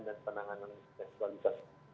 dan penanganan seksualitas